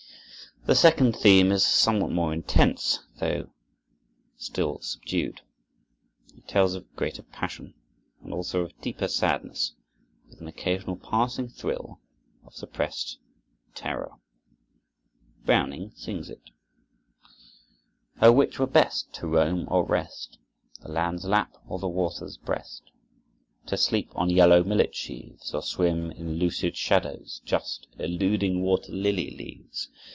The second theme is somewhat more intense, though still subdued. It tells of greater passion and also of deeper sadness, with an occasional passing thrill of suppressed terror. Browning sings it: "O which were best, to roam or rest? The land's lap or the water's breast? To sleep on yellow millet sheaves, Or swim in lucid shadows, just Eluding water lily leaves.